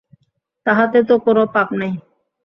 তাহাতে তো কোনো পাপ নাই।